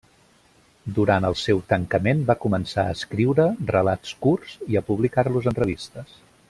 Durant el seu tancament va començar a escriure relats curts i a publicar-los en revistes.